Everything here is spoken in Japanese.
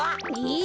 え！